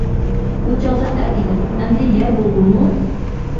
ئۇ چاغدا ئەر ئىدىم، ئەمدى يەر بولدۇممۇ؟ !